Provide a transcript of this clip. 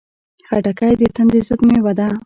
خټکی د تندې ضد مېوه ده.